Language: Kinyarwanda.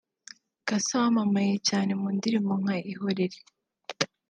Cassa wamamaye cyane mu ndirimbo nka Ihorere